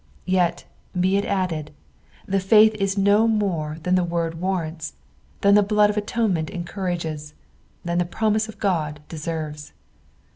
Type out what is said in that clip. Yet, be it added, the faith is no more than the word warrants, than the biood of atonement encout«ges, than the promise of God deserves.